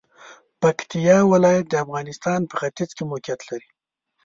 پکتیا ولایت د افغانستان په ختیځ کې موقعیت لري.